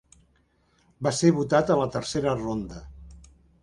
Va ser votat a la tercera ronda.